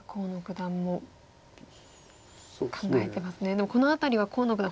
でもこの辺りは河野九段